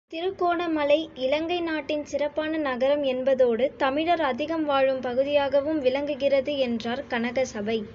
திருகோணமலை இலங்கை நாட்டின் சிறப்பான நகரம் என்பதோடு, தமிழர் அதிகம் வாழும் பகுதியாகவும் விளங்குகிறது, என்றார் கனக சபை.